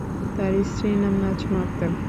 তার স্ত্রীর নাম নাজমা আক্তার।